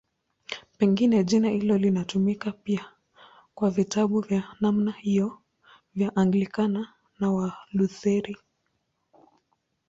Pengine jina hilo linatumika pia kwa vitabu vya namna hiyo vya Anglikana na Walutheri.